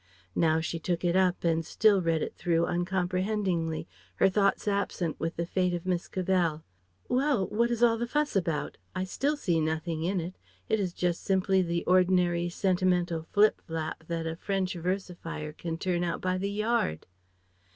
Now she took it up and still read it through uncomprehendingly, her thoughts absent with the fate of Miss Cavell. "Well! what is all the fuss about? I still see nothing in it. It is just simply the ordinary sentimental flip flap that a French versifier can turn out by the yard."